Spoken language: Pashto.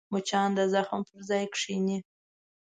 مچان د زخم پر ځای کښېني